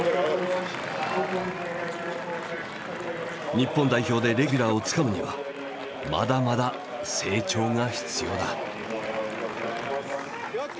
日本代表でレギュラーをつかむにはまだまだ成長が必要だ。